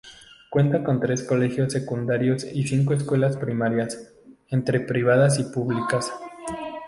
Cuenta con tres colegios secundarios y cinco escuelas primarias, entre privadas y públicas.